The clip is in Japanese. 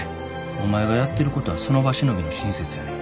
お前がやってることはその場しのぎの親切やねん。